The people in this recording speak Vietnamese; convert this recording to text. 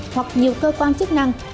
hoặc nhiều cơ quan chức năng